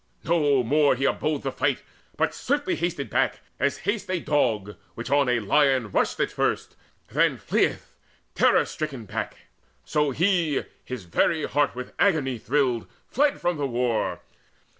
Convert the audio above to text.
No more He abode the fight, but swiftly hasted back As hastes a dog which on a lion rushed At first, then fleeth terror stricken back. So he, his very heart with agony thrilled, Fled from the war.